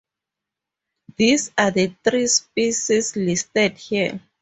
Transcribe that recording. These are the three species listed here.